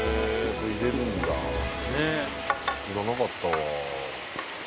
知らなかった。